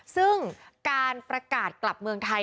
ซึ่งการประกาศกลับเมืองไทย